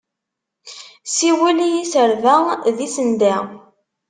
Siwel i yiserba, d isenda!